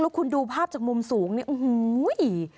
แล้วคุณดูภาพจากมุมสูงนี่อูหูย